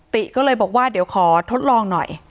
ที่มีข่าวเรื่องน้องหายตัว